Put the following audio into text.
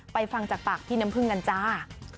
ฟังจากปากพี่น้ำพึ่งกันจ้า